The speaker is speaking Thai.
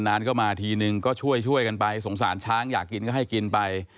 นานก็มาทีนึงก็ช่วยช่วยกันไปสงสารช้างอยากกินก็ให้กินไป